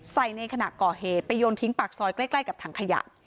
ในขณะก่อเหตุไปโยนทิ้งปากซอยใกล้กับถังขยะ